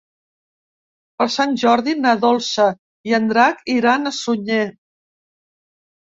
Per Sant Jordi na Dolça i en Drac iran a Sunyer.